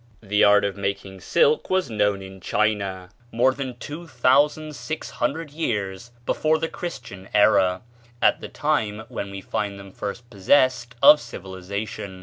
The art of making silk was known in China more than two thousand six hundred years before the Christian era, at the time when we find them first possessed of civilization.